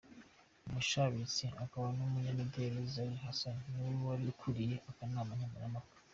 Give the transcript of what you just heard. Umushabitsi akaba n'Umunyamideli Zari Hassan niwe wari ukuriye akanama nkemurampaka.